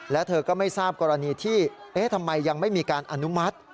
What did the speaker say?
และเธอก็ไม่ทราบกรณีที่ทำไมยังไม่มีการอนุมัติ